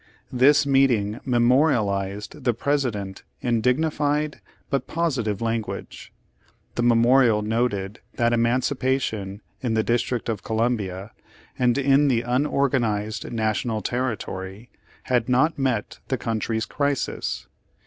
This meeting memorialized the President in dignified but positive language. The memorial noted that emancipation in the Dis trict of Columbia, and in the unorganized National territory, had not met the country's crisis.